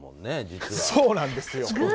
そうなんですよ。